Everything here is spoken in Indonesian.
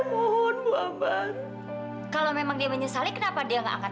kan anak itu juga melakukan kesalahan yang sangat besar